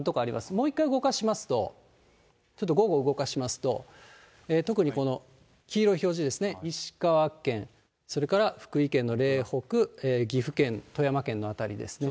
もう一回動かしますと、ちょっと午後、動かしますと、特にこの黄色い表示ですね、石川県、それから福井県の嶺北、岐阜県、富山県の辺りですね。